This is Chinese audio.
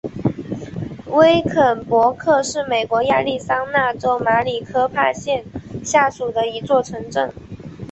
威肯勃格是美国亚利桑那州马里科帕县下属的一座城镇。